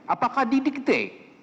apakah didik te